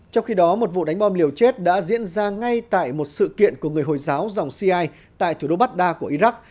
trong khi đó một vụ đánh bom liều chết đã diễn ra ngay tại một sự kiện của người hồi giáo dòng cia tại thủ đô baghdad của iraq